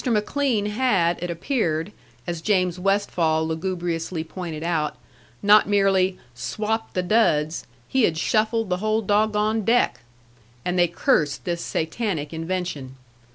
McLean had, it appeared, as James Westfall lugubriously pointed out, not merely "swapped the duds; he had shuffled the whole doggone deck;" and they cursed this Satanic invention.